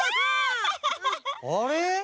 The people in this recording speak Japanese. あれ？